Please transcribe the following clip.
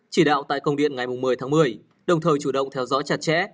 chỉ đạo tại công điện ngày một mươi tháng một mươi đồng thời chủ động theo dõi chặt chẽ